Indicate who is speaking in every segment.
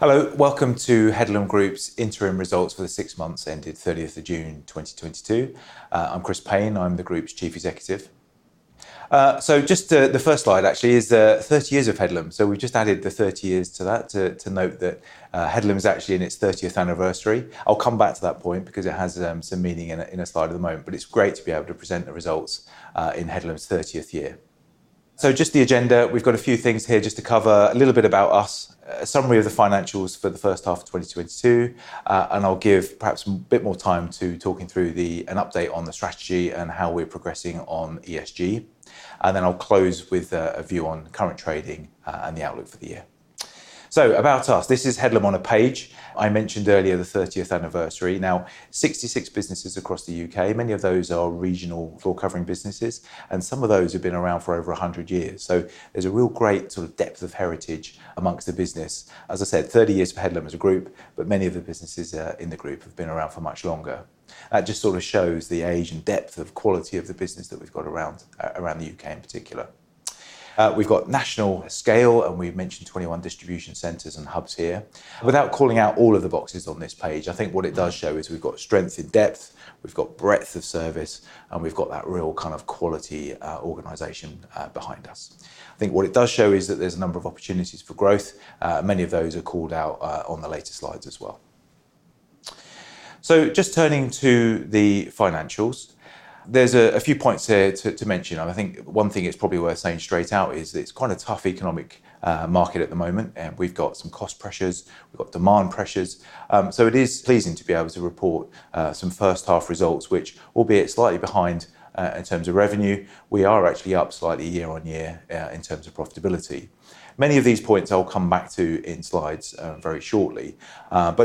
Speaker 1: Hello. Welcome to Headlam Group's interim results for the six months ending 30th of June, 2022. I'm Chris Payne, Group Chief Executive. Just the first slide actually is the thirty years of Headlam. We just added the thirty years to that to note that Headlam is actually in its 30th anniversary. I'll come back to that point because it has some meaning in a slide at the moment, but it's great to be able to present the results in Headlam's 30th year. Just the agenda. We've got a few things here just to cover a little bit about us, a summary of the financials for the first half of 2022, and I'll give perhaps a bit more time to talking through an update on the strategy and how we're progressing on ESG. Then I'll close with a view on current trading, and the outlook for the year. About us. This is Headlam on a page. I mentioned earlier, the 30th anniversary. Now, 66 businesses across the UK. Many of those are regional floor covering businesses, and some of those have been around for over 100 years. There's a real great sort of depth of heritage among the business. As I said, 30 years for Headlam as a group, but many of the businesses in the group have been around for much longer. That just sort of shows the age and depth of quality of the business that we've got around the UK in particular. We've got national scale, and we've mentioned 21 distribution centers and hubs here. Without calling out all of the boxes on this page, I think what it does show is we've got strength in depth, we've got breadth of service, and we've got that real kind of quality, organization, behind us. I think what it does show is that there's a number of opportunities for growth. Many of those are called out, on the later slides as well. So just turning to the financials, there's a few points here to mention. I think one thing it's probably worth saying straight out is it's quite a tough economic, market at the moment, and we've got some cost pressures, we've got demand pressures. It is pleasing to be able to report some first half results, which albeit slightly behind in terms of revenue, we are actually up slightly year-over-year in terms of profitability. Many of these points I'll come back to in slides very shortly.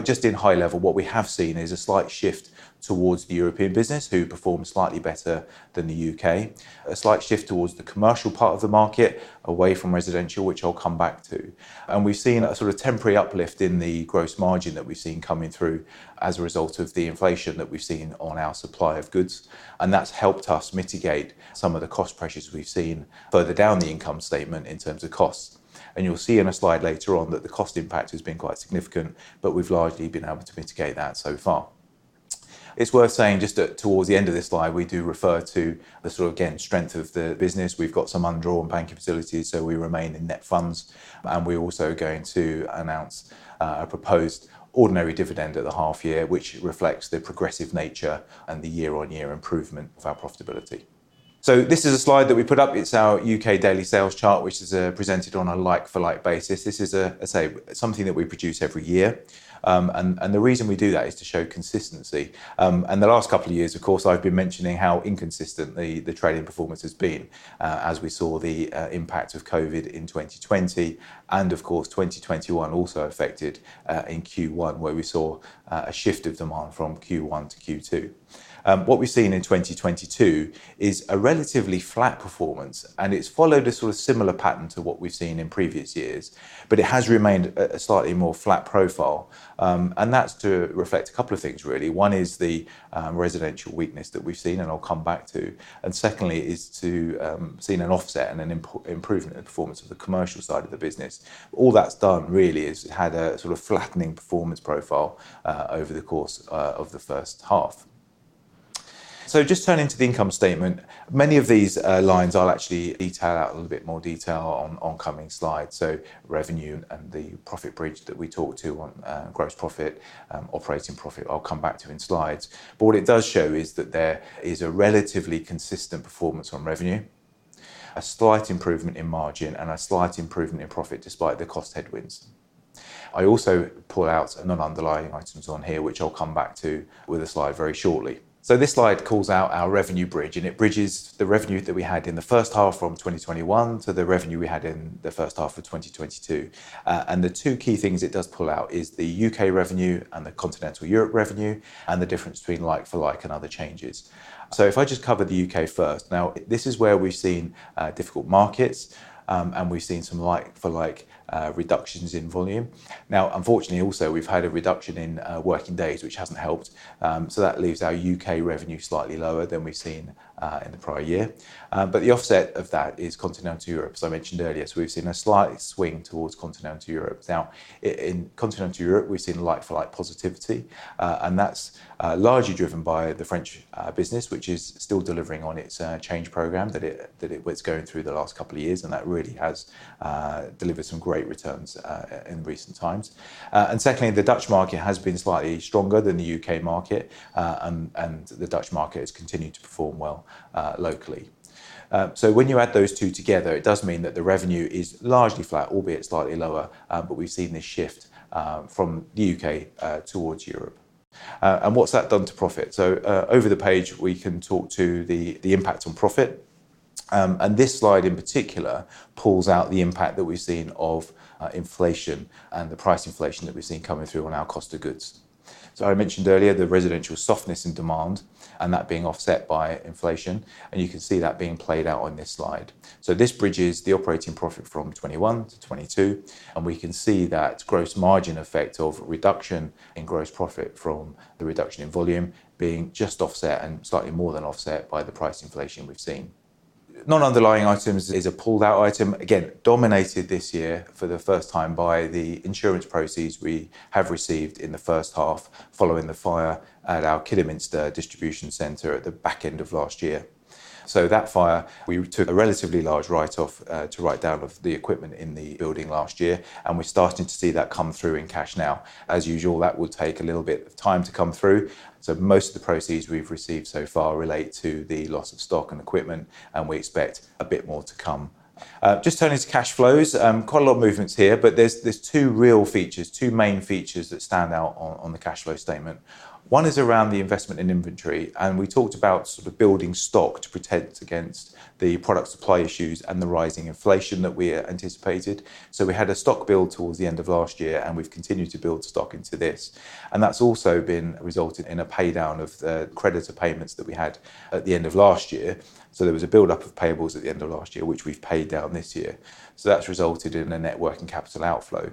Speaker 1: Just at a high level, what we have seen is a slight shift towards the European business who perform slightly better than the UK. A slight shift towards the commercial part of the market, away from residential, which I'll come back to. We've seen a sort of temporary uplift in the gross margin that we've seen coming through as a result of the inflation that we've seen on our supply of goods, and that's helped us mitigate some of the cost pressures we've seen further down the income statement in terms of costs. You'll see in a slide later on that the cost impact has been quite significant, but we've largely been able to mitigate that so far. It's worth saying just towards the end of this slide, we do refer to the sort of, again, strength of the business. We've got some undrawn banking facilities, so we remain in net funds, and we're also going to announce a proposed ordinary dividend at the half year, which reflects the progressive nature and the year-on-year improvement of our profitability. This is a slide that we put up. It's our UK daily sales chart, which is presented on a like for like basis. This is, as I say, something that we produce every year. The reason we do that is to show consistency. The last couple of years, of course, I've been mentioning how inconsistent the trading performance has been, as we saw the impact of COVID in 2020 and of course, 2021 also affected in Q1, where we saw a shift of demand from Q1 to Q2. What we've seen in 2022 is a relatively flat performance, and it's followed a sort of similar pattern to what we've seen in previous years, but it has remained a slightly more flat profile. That's to reflect a couple of things really. One is the residential weakness that we've seen, and I'll come back to. Secondly, we've seen an offset and an improvement in the performance of the commercial side of the business. All that's done really is had a sort of flattening performance profile, over the course, of the first half. Just turning to the income statement. Many of these lines I'll actually detail out a little bit more detail on coming slides. Revenue and the profit bridge that we talk to on, gross profit, operating profit, I'll come back to in slides. What it does show is that there is a relatively consistent performance on revenue, a slight improvement in margin, and a slight improvement in profit despite the cost headwinds. I also pull out non-underlying items on here, which I'll come back to with a slide very shortly. This slide calls out our revenue bridge, and it bridges the revenue that we had in the first half from 2021 to the revenue we had in the first half of 2022. The two key things it does pull out is the U.K. revenue and the Continental Europe revenue and the difference between like for like and other changes. If I just cover the U.K. first. This is where we've seen difficult markets, and we've seen some like for like reductions in volume. Unfortunately, also we've had a reduction in working days, which hasn't helped. That leaves our U.K. revenue slightly lower than we've seen in the prior year. The offset of that is Continental Europe, as I mentioned earlier. We've seen a slight swing towards Continental Europe. Now in Continental Europe, we've seen like for like positivity, and that's largely driven by the French business, which is still delivering on its change program that it was going through the last couple of years, and that really has delivered some great returns in recent times. Secondly, the Dutch market has been slightly stronger than the UK market, and the Dutch market has continued to perform well locally. When you add those two together, it does mean that the revenue is largely flat, albeit slightly lower. We've seen this shift from the UK towards Europe. What's that done to profit? Over the page, we can talk to the impact on profit. This slide in particular pulls out the impact that we've seen of inflation and the price inflation that we've seen coming through on our cost of goods. I mentioned earlier the residential softness in demand and that being offset by inflation, and you can see that being played out on this slide. This bridges the operating profit from 2021 to 2022, and we can see that gross margin effect of reduction in gross profit from the reduction in volume being just offset and slightly more than offset by the price inflation we've seen. Non-underlying items is a pulled out item, again, dominated this year for the first time by the insurance proceeds we have received in the first half following the fire at our Kidderminster distribution center at the back end of last year. That fire, we took a relatively large write-off to write-down of the equipment in the building last year, and we're starting to see that come through in cash now. As usual, that will take a little bit of time to come through, so most of the proceeds we've received so far relate to the loss of stock and equipment, and we expect a bit more to come. Just turning to cash flows, quite a lot of movements here, but there's two real features, two main features that stand out on the cash flow statement. One is around the investment in inventory, and we talked about sort of building stock to protect against the product supply issues and the rising inflation that we anticipated. We had a stock build towards the end of last year, and we've continued to build stock into this, and that's also been resulted in a pay down of creditor payments that we had at the end of last year. There was a buildup of payables at the end of last year, which we've paid down this year. That's resulted in a net working capital outflow.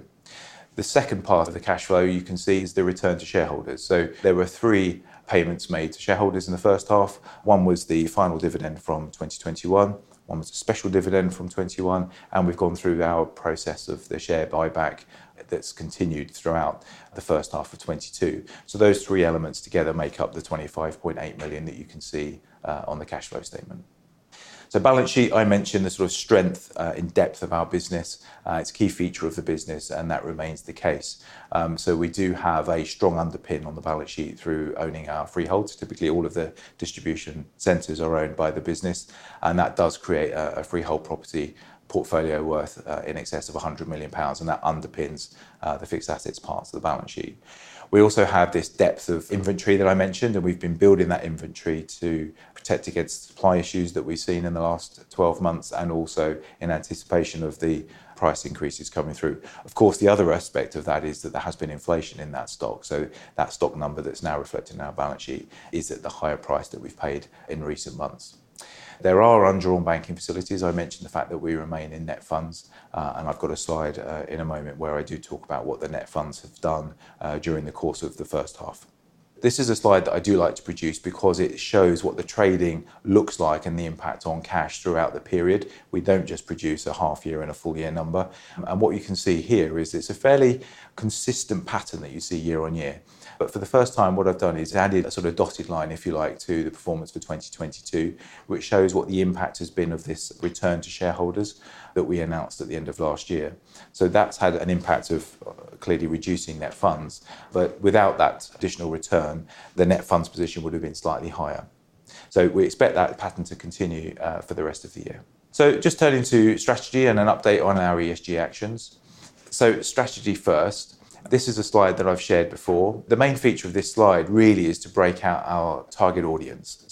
Speaker 1: The second part of the cash flow you can see is the return to shareholders. There were 3 payments made to shareholders in the first half. One was the final dividend from 2021, one was a special dividend from 2021, and we've gone through our process of the share buyback that's continued throughout the first half of 2022. Those three elements together make up the 25.8 million that you can see on the cash flow statement. Balance sheet, I mentioned the sort of strength in depth of our business. It's a key feature of the business, and that remains the case. We do have a strong underpin on the balance sheet through owning our freeholds. Typically, all of the distribution centers are owned by the business, and that does create a freehold property portfolio worth in excess of 100 million pounds, and that underpins the fixed assets parts of the balance sheet. We also have this depth of inventory that I mentioned, and we've been building that inventory to protect against supply issues that we've seen in the last 12 months and also in anticipation of the price increases coming through. Of course, the other aspect of that is that there has been inflation in that stock, so that stock number that's now reflected in our balance sheet is at the higher price that we've paid in recent months. There are undrawn banking facilities. I mentioned the fact that we remain in net funds, and I've got a slide, in a moment where I do talk about what the net funds have done, during the course of the first half. This is a slide that I do like to produce because it shows what the trading looks like and the impact on cash throughout the period. We don't just produce a half year and a full year number. What you can see here is it's a fairly consistent pattern that you see year on year. For the first time, what I've done is added a sort of dotted line, if you like, to the performance for 2022, which shows what the impact has been of this return to shareholders that we announced at the end of last year. That's had an impact of clearly reducing net funds, but without that additional return, the net funds position would have been slightly higher. We expect that pattern to continue for the rest of the year. Just turning to strategy and an update on our ESG actions. Strategy first. This is a slide that I've shared before. The main feature of this slide really is to break out our target audience.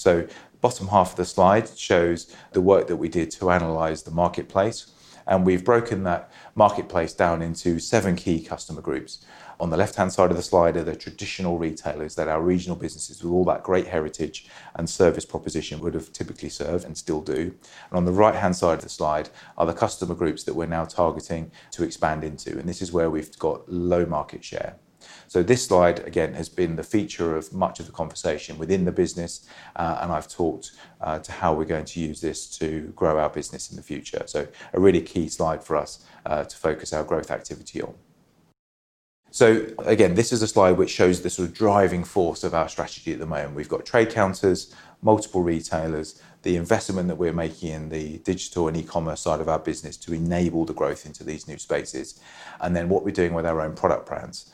Speaker 1: Bottom half of the slide shows the work that we did to analyze the marketplace, and we've broken that marketplace down into seven key customer groups. On the left-hand side of the slide are the traditional retailers that our regional businesses with all that great heritage and service proposition would have typically served and still do. On the right-hand side of the slide are the customer groups that we're now targeting to expand into, and this is where we've got low market share. This slide, again, has been the feature of much of the conversation within the business, and I've talked to how we're going to use this to grow our business in the future. A really key slide for us to focus our growth activity on. Again, this is a slide which shows the sort of driving force of our strategy at the moment. We've got trade counters, multiple retailers, the investment that we're making in the digital and e-commerce side of our business to enable the growth into these new spaces, and then what we're doing with our own product brands.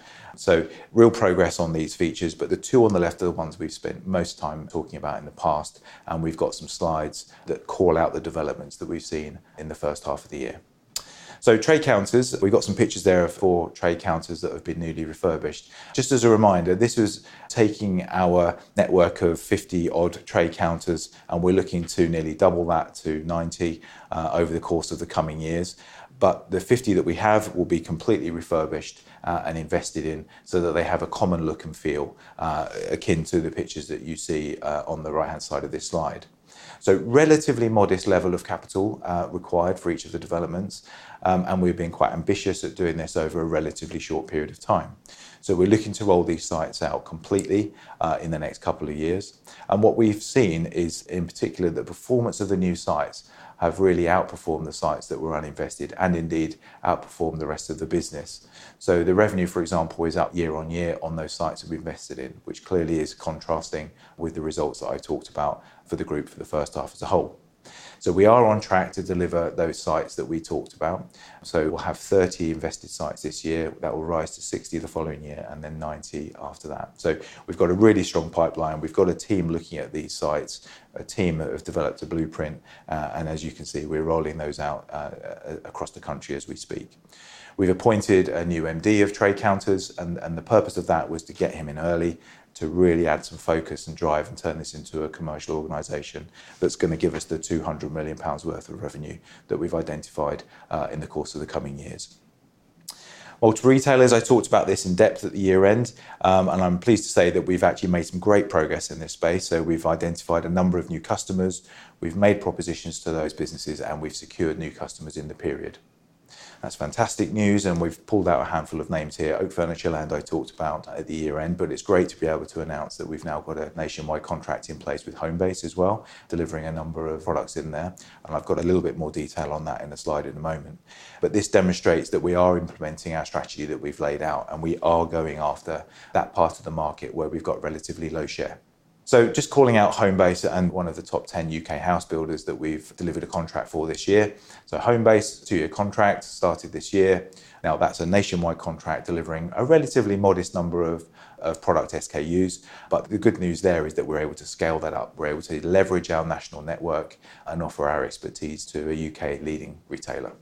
Speaker 1: Real progress on these features, but the two on the left are the ones we've spent most time talking about in the past, and we've got some slides that call out the developments that we've seen in the first half of the year. Trade counters, we've got some pictures there four trade counters that have been newly refurbished. Just as a reminder, this is taking our network of 50-odd trade counters, and we're looking to nearly double that to ninty over the course of the coming years. The fifty that we have will be completely refurbished and invested in so that they have a common look and feel akin to the pictures that you see on the right-hand side of this slide. Relatively modest level of capital required for each of the developments, and we've been quite ambitious at doing this over a relatively short period of time. We're looking to roll these sites out completely in the next couple of years. What we've seen is, in particular, the performance of the new sites have really outperformed the sites that were uninvested and indeed outperformed the rest of the business. The revenue, for example, is up year-on-year on those sites that we've invested in, which clearly is contrasting with the results that I talked about for the group for the first half as a whole. We are on track to deliver those sites that we talked about. We'll have 30 invested sites this year. That will rise to 60 the following year and then ninty after that. We've got a really strong pipeline. We've got a team looking at these sites, a team that have developed a blueprint, and as you can see, we're rolling those out, across the country as we speak. We've appointed a new MD of trade counters and the purpose of that was to get him in early to really add some focus and drive and turn this into a commercial organization that's gonna give us 200 million pounds worth of revenue that we've identified in the course of the coming years. Multiple retailers, I talked about this in depth at the year-end, and I'm pleased to say that we've actually made some great progress in this space. We've identified a number of new customers, we've made propositions to those businesses, and we've secured new customers in the period. That's fantastic news, and we've pulled out a handful of names here. Oak Furnitureland, I talked about at the year-end. It's great to be able to announce that we've now got a nationwide contract in place with Homebase as well, delivering a number of products in there, and I've got a little bit more detail on that in the slide in a moment. This demonstrates that we are implementing our strategy that we've laid out, and we are going after that part of the market where we've got relatively low share. Just calling out Homebase and one of the top ten UK house builders that we've delivered a contract for this year. Homebase, two-year contract, started this year. Now that's a nationwide contract delivering a relatively modest number of product SKUs, but the good news there is that we're able to scale that up. We're able to leverage our national network and offer our expertise to a UK leading retailer.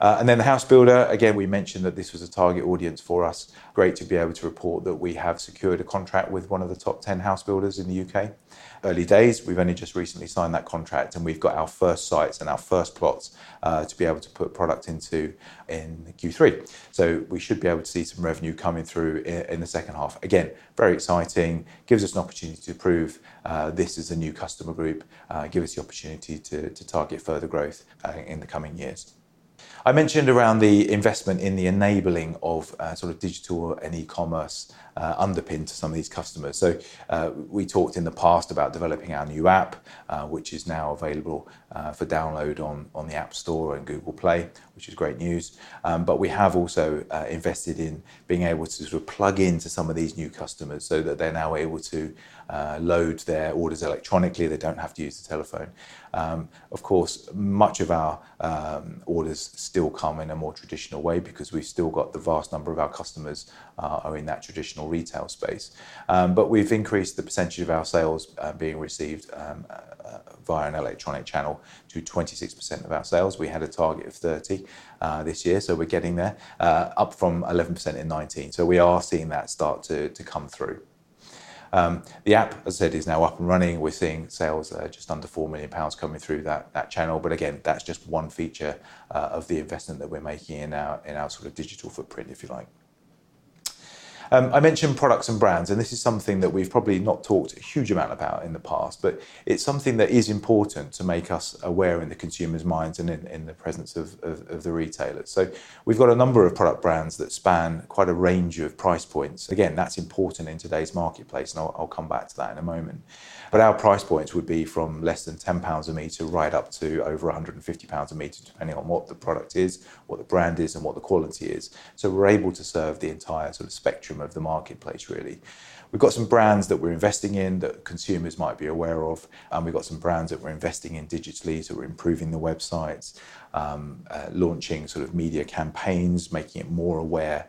Speaker 1: The house builder, again, we mentioned that this was a target audience for us. Great to be able to report that we have secured a contract with one of the top 10 house builders in the UK. Early days, we've only just recently signed that contract, and we've got our first sites and our first plots to be able to put product into in Q3. We should be able to see some revenue coming through in the second half. Again, very exciting, gives us an opportunity to prove this is a new customer group, give us the opportunity to target further growth in the coming years. I mentioned around the investment in the enabling of sort of digital and e-commerce underpinning to some of these customers. We talked in the past about developing our new app, which is now available for download on the App Store and Google Play, which is great news. We have also invested in being able to sort of plug into some of these new customers so that they're now able to load their orders electronically. They don't have to use the telephone. Of course, much of our orders still come in a more traditional way because we've still got the vast number of our customers are in that traditional retail space. We've increased the percentage of our sales being received via an electronic channel to 26% of our sales. We had a target of thirty this year, so we're getting there, up from 11% in 2019. We are seeing that start to come through. The app, as I said, is now up and running. We're seeing sales at just under four million pounds coming through that channel, but again, that's just one feature of the investment that we're making in our sort of digital footprint, if you like. I mentioned products and brands, and this is something that we've probably not talked a huge amount about in the past, but it's something that is important to make us aware in the consumers' minds and in the presence of the retailers. We've got a number of product brands that span quite a range of price points. Again, that's important in today's marketplace, and I'll come back to that in a moment. Our price points would be from less than 10 pounds a meter right up to over 150 pounds a meter, depending on what the product is, what the brand is, and what the quality is. We're able to serve the entire sort of spectrum of the marketplace, really. We've got some brands that we're investing in that consumers might be aware of, and we've got some brands that we're investing in digitally, so we're improving the websites, launching sort of media campaigns, making it more aware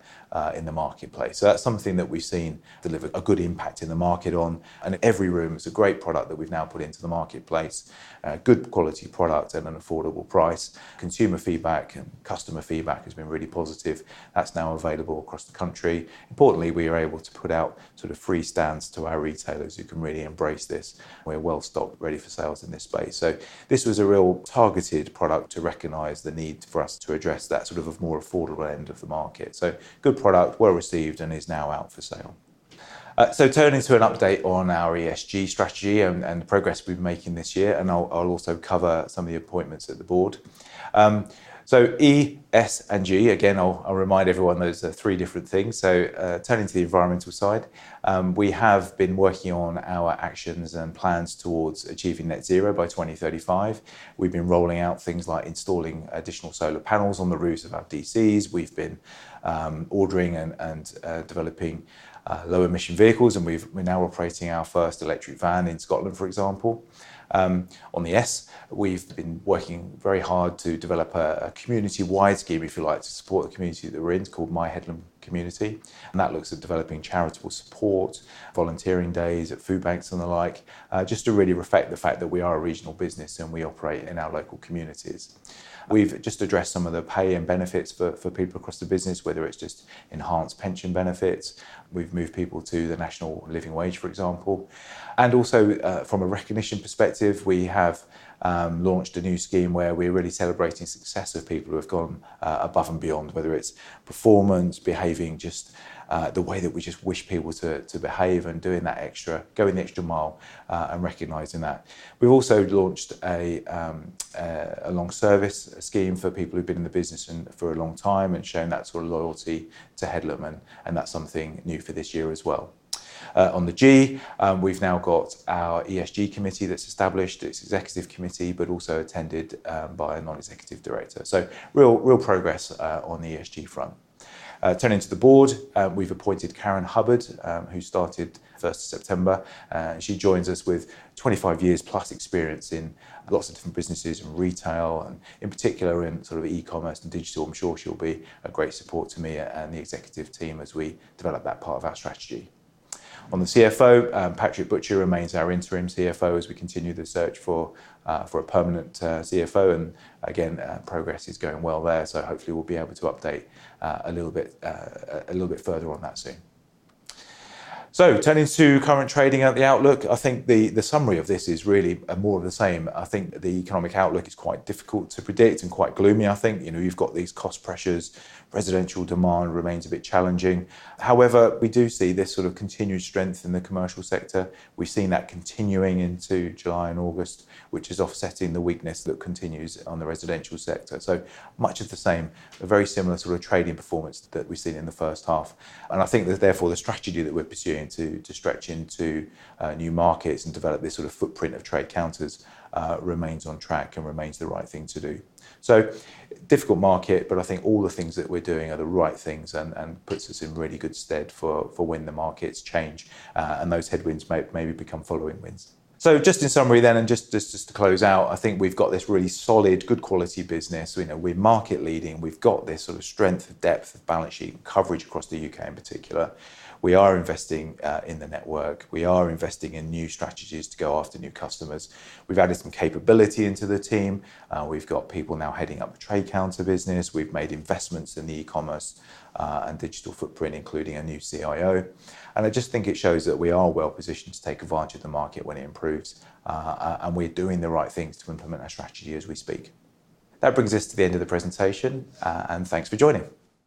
Speaker 1: in the marketplace. That's something that we've seen deliver a good impact in the market on. Everyroom is a great product that we've now put into the marketplace, a good quality product at an affordable price. Consumer feedback and customer feedback has been really positive. That's now available across the country. Importantly, we are able to put out sort of free stands to our retailers who can really embrace this. We're well-stocked, ready for sales in this space. This was a real targeted product to recognize the need for us to address that sort of a more affordable end of the market. Good product, well-received, and is now out for sale. Turning to an update on our ESG strategy and the progress we've been making this year, and I'll also cover some of the appointments at the board. E, S, and G, again, I'll remind everyone those are three different things. Turning to the environmental side, we have been working on our actions and plans towards achieving net zero by 2035. We've been rolling out things like installing additional solar panels on the roofs of our DCs. We've been ordering and developing low emission vehicles, and we're now operating our first electric van in Scotland, for example. On the social, we've been working very hard to develop a community-wide scheme, if you like, to support the community that we're in. It's called My Headlam Community, and that looks at developing charitable support, volunteering days at food banks and the like, just to really reflect the fact that we are a regional business and we operate in our local communities. We've just addressed some of the pay and benefits for people across the business, whether it's just enhanced pension benefits. We've moved people to the National Living Wage, for example. From a recognition perspective, we have launched a new scheme where we're really celebrating success of people who have gone above and beyond, whether it's performance, behaving just the way that we just wish people to behave and doing that extra, going the extra mile, and recognizing that. We've also launched a long service scheme for people who've been in the business for a long time and shown that sort of loyalty to Headlam, and that's something new for this year as well. On the ESG, we've now got our ESG committee that's established. It's executive committee, but also attended by a non-executive director. Real progress on the ESG front. Turning to the board, we've appointed Karen Hubbard, who started first of September. She joins us with twenty five years plus experience in lots of different businesses and retail and in particular in sort of e-commerce and digital. I'm sure she'll be a great support to me and the executive team as we develop that part of our strategy. On the CFO, Patrick Butcher remains our interim CFO as we continue the search for a permanent CFO. Again, progress is going well there, so hopefully we'll be able to update a little bit further on that soon. Turning to current trading and the outlook, I think the summary of this is really more of the same. I think the economic outlook is quite difficult to predict and quite gloomy, I think. You know, you've got these cost pressures. Residential demand remains a bit challenging. However, we do see this sort of continued strength in the commercial sector. We've seen that continuing into July and August, which is offsetting the weakness that continues on the residential sector. Much of the same, a very similar sort of trading performance that we've seen in the first half. I think that therefore the strategy that we're pursuing to stretch into new markets and develop this sort of footprint of trade counters remains on track and remains the right thing to do. Difficult market, but I think all the things that we're doing are the right things and puts us in really good stead for when the markets change and those headwinds may become following winds. Just in summary then, to close out, I think we've got this really solid, good quality business. You know, we're market leading. We've got this sort of strength, depth of balance sheet and coverage across the UK in particular. We are investing in the network. We are investing in new strategies to go after new customers. We've added some capability into the team. We've got people now heading up the trade counter business. We've made investments in the e-commerce and digital footprint, including a new CIO. I just think it shows that we are well positioned to take advantage of the market when it improves and we're doing the right things to implement our strategy as we speak. That brings us to the end of the presentation and thanks for joining.